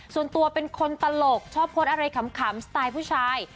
ส่วนตัวเป็นคนตลกชอบโพสต์อะไรขำสไตล์ผู้ชาย